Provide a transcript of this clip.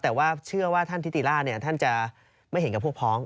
แต่ว่าเชื่อว่าท่านทิติราชท่านจะไม่เห็นกับพวกพ้อง